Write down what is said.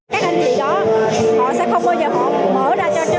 các anh chị đó họ sẽ không bao giờ họ mở ra cho chúng ta thấy là họ đang tìm chớp